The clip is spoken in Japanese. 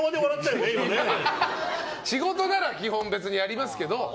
仕事なら基本やりますけど。